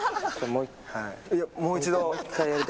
・もう一度？